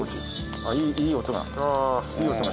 いい音が。